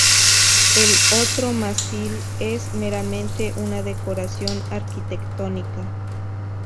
El otro mástil es meramente una decoración arquitectónica.